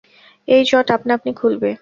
এই জট আপনাআপনি খুলবে।